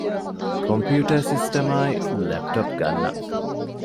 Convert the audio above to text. ކޮމްޕިއުޓަރ ސިސްޓަމާއި ލެޕްޓޮޕް ގަންނަން